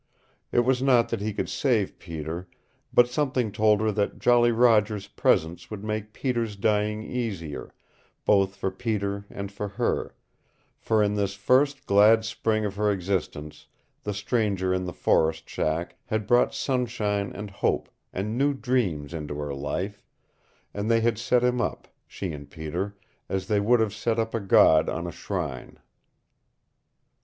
It was not that he could save Peter, but something told her that Jolly Roger's presence would make Peter's dying easier, both for Peter and for her, for in this first glad spring of her existence the stranger in the forest shack had brought sunshine and hope and new dreams into her life; and they had set him up, she and Peter, as they would have set up a god on a shrine.